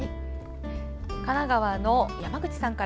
神奈川の山口さんから。